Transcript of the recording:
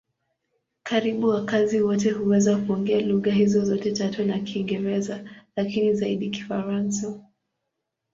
Karibu wakazi wote huweza kuongea lugha hizo zote tatu na Kiingereza, lakini zaidi Kifaransa.